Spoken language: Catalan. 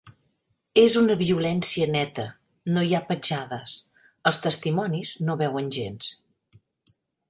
És una violència 'neta', no hi ha petjades, els testimonis no veuen gens.